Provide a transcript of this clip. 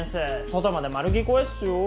外まで丸聞こえっすよ。